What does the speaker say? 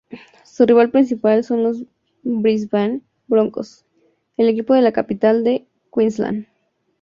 Su rival principal son los Brisbane Broncos, el equipo de la capital de Queensland.